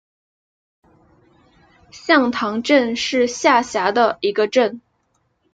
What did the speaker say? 向塘镇是下辖的一个镇。